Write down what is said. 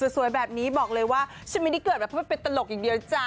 สวยแบบนี้บอกเลยว่าฉันไม่ได้เกิดมาเพื่อเป็นตลกอย่างเดียวจ้ะ